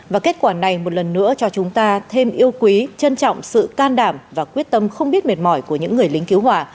và kết quả này một lần nữa cho chúng ta thêm yêu quý trân trọng sự can đảm và quyết tâm không biết mệt mỏi của những người lính cứu hỏa